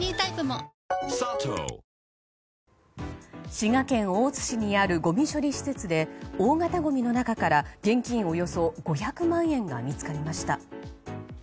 滋賀県大津市にあるごみ処理施設で大型ごみの中から現金およそ５００万円が見つかりました。